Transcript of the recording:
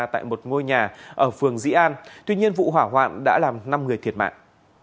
tại một ngôi nhà ở phường dĩ an tuy nhiên vụ hỏa hoạn đã làm năm người thiệt mạng